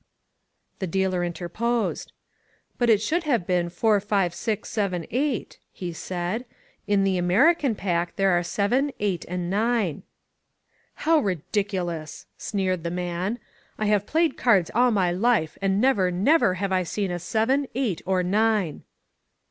The dealer interposed: But it should have been four, five, six, seven, eight," he said. ^^In the American pack there are seven, eight and nine." How ridiculous !" sneered the man. "I have played cards all my life, and never, never have I seen a seven, eight or nine!"